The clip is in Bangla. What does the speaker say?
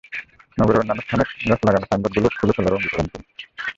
নগরের অন্যান্য স্থানে গাছে লাগানো সাইনবোর্ডগুলো খুলে ফেলারও অঙ্গীকার করেন তিনি।